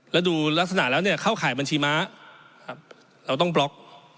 แล้วดูลักษณะแล้วเนี่ยเข้าข่ายบัญชีม้าเราต้องบล็อก